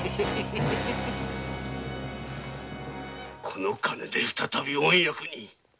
この金で再びお役に。